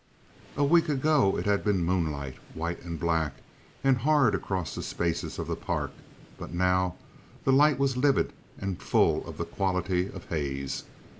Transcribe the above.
A week ago it had been moonlight, white and black and hard across the spaces of the park, but now the light was livid and full of the quality of haze.